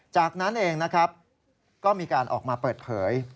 จากนั้นเองก็มีการออกมาเปิดเผย